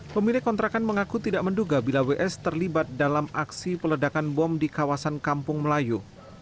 pemilik kontrakan mengaku tidak menduga bila ws terlibat dalam aksi peledakan bom di kawasan kampung melayu